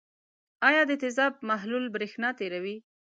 آیا د تیزاب محلول برېښنا تیروي؟